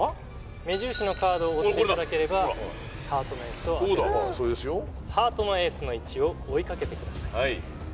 目印のカードを追っていただければハートのエースをハートのエースの１を追いかけてください